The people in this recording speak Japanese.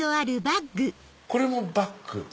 これもバッグ？